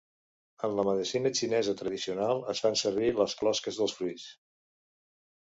En la medicina xinesa tradicional es fan servir les closques dels fruits.